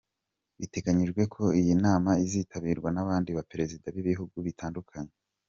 Biteganyijwe ko iyi nama izitabirwa n’abandi ba Perezida b’ibihugu bitandukabye.